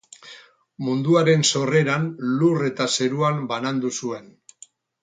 Munduaren sorreran lur eta zeruan banandu zuen.